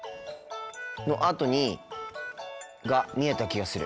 のあとにが見えた気がする。